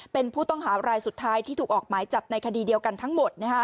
เป็นผู้ต้องหารายสุดท้ายที่ถูกออกหมายจับในคดีเดียวกันทั้งหมด